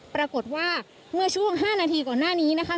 ปรากฏว่าเมื่อช่วง๕นาทีก่อนหน้านี้นะคะ